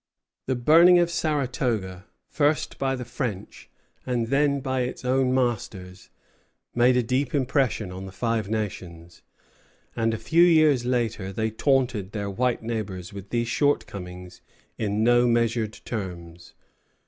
] The burning of Saratoga, first by the French and then by its own masters, made a deep impression on the Five Nations, and a few years later they taunted their white neighbors with these shortcomings in no measured terms.